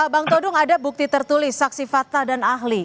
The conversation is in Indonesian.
bang todung ada bukti tertulis saksi fakta dan ahli